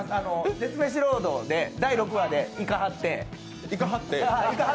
「絶メシロード」で第６話で行かはって。